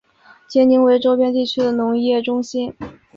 杰宁为周边地区的农业中心。